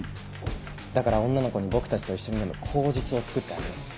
だから女の子に僕たちと一緒に飲む口実を作ってあげるんです。